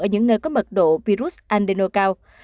ở những nơi có mật độ virus andenovirus cao